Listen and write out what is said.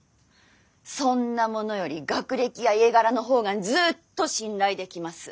そんなものより学歴や家柄の方がずっと信頼できます。